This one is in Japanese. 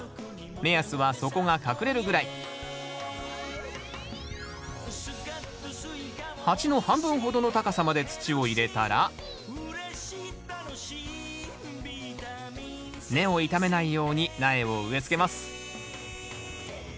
目安は底が隠れるぐらい鉢の半分ほどの高さまで土を入れたら根を傷めないように苗を植えつけます。